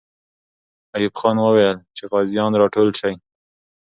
ایوب خان وویل چې غازیان راټول سي.